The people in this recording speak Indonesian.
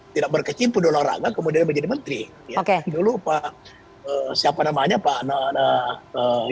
tidak berkecimpung orang orang kemudian menjadi menteri oke dulu pak siapa namanya pak nah